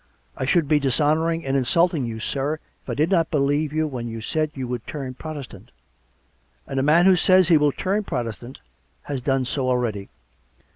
... I should be dishonouring and insulting you, sir, if I did not believe you when you said you would turn Protestant; and a man who says he will turn Protestant has done so already.